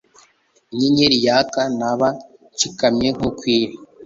inyenyeri yaka, naba nshikamye nkuko uri